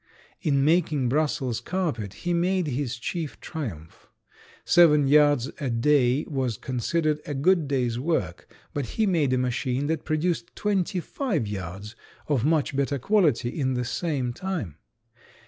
In making Brussels carpet he made his chief triumph. Seven yards a day was considered a good day's work, but he made a machine that produced twenty five yards of much better quality in the same time.